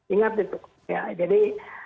ingat itu jadi